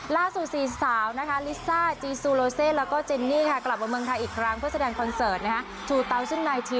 สี่สาวนะคะลิซ่าจีซูโลเซแล้วก็เจนนี่ค่ะกลับมาเมืองไทยอีกครั้งเพื่อแสดงคอนเสิร์ตชูเตาซึ่งนายที